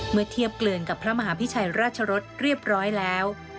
เมื่อเทียบเกลือนกับพระมหาพิชัยราชรสเรียบร้อยแล้ว